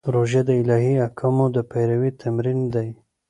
روژه د الهي احکامو د پیروي تمرین دی.